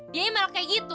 dia yang malah kayak gitu